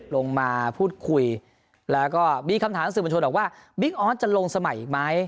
ลงมาพูดคุยแล้วก็มีคำถามสื่อประชวนออกว่าบิ๊กออนด์จะลงสมัยอีกมั้ย